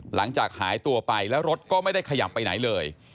หลังจากหายตัวไปแล้วรถก็ไม่ได้ขยับไปไหนเลย